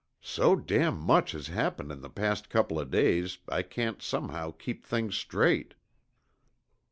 So damn much has happened in the past couple o' days I can't somehow keep things straight."